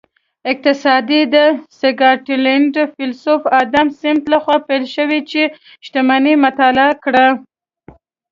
اقتصاد د سکاټلینډ فیلسوف ادم سمیت لخوا پیل شو چې شتمني یې مطالعه کړه